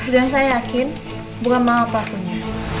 dan saya yakin bukan mama pak punya